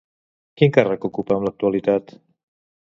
Quin càrrec ocupa en l'actualitat?